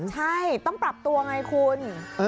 ใช่ต้องปรับตัวไงคุณ